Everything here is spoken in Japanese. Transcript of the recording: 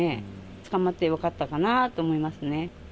捕まってよかったかなと思いますね。